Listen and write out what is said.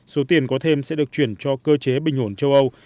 số tiền có thêm sẽ được chuyển cho cơ chế bình ổn châu âu